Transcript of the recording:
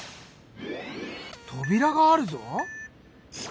とびらがあるぞ？